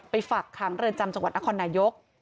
ฝากขังเรือนจำจังหวัดนครนายก